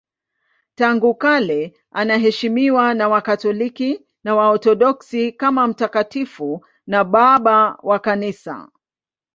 Tangu kale anaheshimiwa na Wakatoliki na Waorthodoksi kama mtakatifu na Baba wa Kanisa.